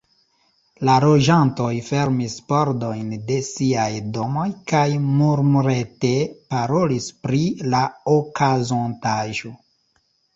La loĝantoj fermis pordojn de siaj domoj kaj murmurete parolis pri la okazontaĵo.